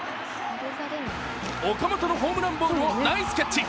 岡本のホームランボールをナイスキャッチ。